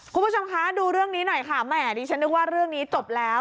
คุณผู้ชมคะดูเรื่องนี้หน่อยค่ะแหมดิฉันนึกว่าเรื่องนี้จบแล้ว